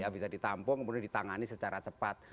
bisa ditampung kemudian ditangani secara cepat